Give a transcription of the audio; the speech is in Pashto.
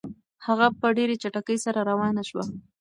هغه په ډېرې چټکۍ سره روانه شوه.